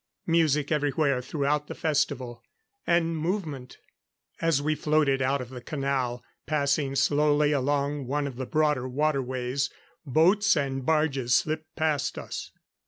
Music everywhere throughout the festival. And movement. As we floated out of the canal, passing slowly along one of the broader waterways, boats and barges slipped past us.